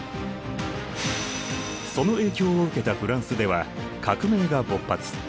その影響を受けたフランスでは革命が勃発。